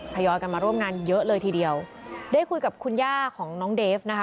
ทยอยกันมาร่วมงานเยอะเลยทีเดียวได้คุยกับคุณย่าของน้องเดฟนะคะ